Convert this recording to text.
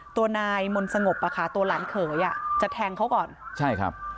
ตัวนายมนต์สงบอ่ะค่ะตัวหลานเขยอ่ะจะแทงเขาก่อนใช่ครับ